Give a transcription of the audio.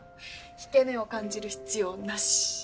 引け目を感じる必要なし。